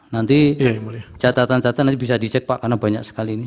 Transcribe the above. nanti catatan catatan nanti bisa dicek pak karena banyak sekali ini